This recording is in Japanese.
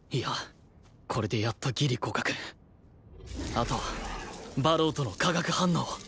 あとは馬狼との化学反応